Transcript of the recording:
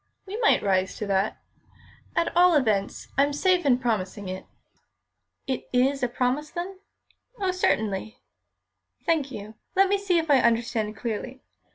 "We might rise to that. At all events, I'm safe in promising it." "It is a promise, then?" "Oh, certainly." "Thank you. Let me see if I understand clearly.